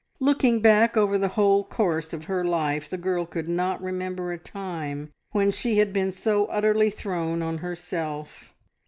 Looking back over the whole course of her life, the girl could not remember a time when she had been so utterly thrown on herself.